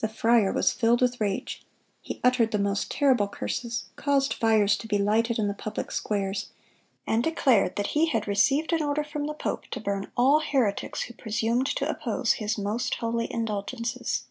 The friar was filled with rage. He uttered the most terrible curses, caused fires to be lighted in the public squares, and declared that he "had received an order from the pope to burn all heretics who presumed to oppose his most holy indulgences."